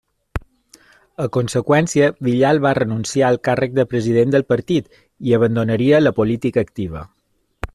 A conseqüència, Villalba renuncià al càrrec de president del partit, i abandonaria la política activa.